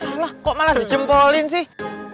allah kok malah dijempolin sih